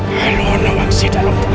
kalau ada yang tidak lupa untuk menunggu